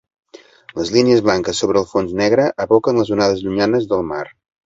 Les línies blanques sobre el fons negre evoquen les onades llunyanes del mar.